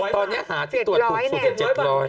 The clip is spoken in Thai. ตอนนี้หาที่ตรวจถูกสุด๗๐๐